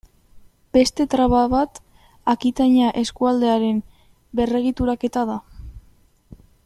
Beste traba bat Akitania eskualdearen berregituraketa da.